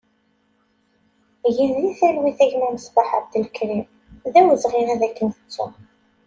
Gen di talwit a gma Mesbaḥ Abdelkrim, d awezɣi ad k-nettu!